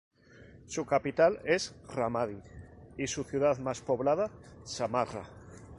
Su capital es Ramadi y su ciudad más poblada, Samarra.